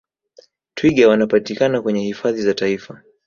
twiga Wanapatikana kwenye hifadhi za taifa